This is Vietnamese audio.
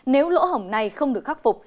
nếu lỗ hổng này không được khắc phục